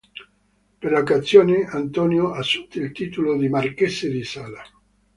Per l'occasione, Antonio assunse il titolo di marchese di Sala.